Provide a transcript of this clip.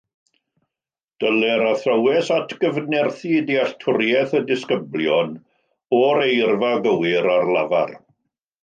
Dylai'r athrawes atgyfnerthu dealltwriaeth y disgyblion o'r eirfa gywir ar lafar